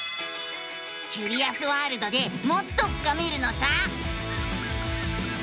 キュリアスワールドでもっと深めるのさ！